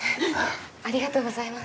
ありがとうございます。